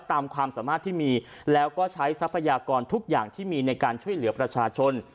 ตามความสามารถที่มีแล้วก็ใช้ทรัพยากรทุกอย่างที่มีในการช่วยเหลือประชาชน